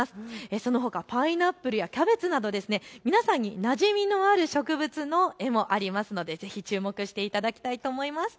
そのほかパイナップルやキャベツなど皆さんになじみのある植物の絵もありますのでぜひ注目していただきたいと思います。